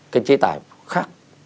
cái chế tài khác